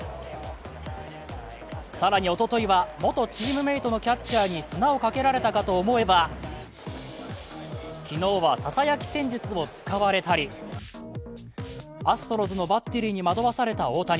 更におとといは、元チームメイトのキャッチャーに砂をかけられたかと思えば昨日はささやき戦術を使われたりアストロズのバッテリーに惑わされた大谷。